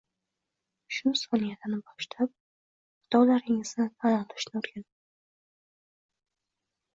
Shu soniyadan boshlab xatolaringizni tan olishni o’rganing.